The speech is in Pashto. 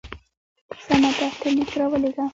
سمه ده ته لینک راولېږه.